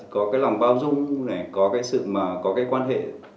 có cái lòng bao dung này có cái sự mà có cái quan hệ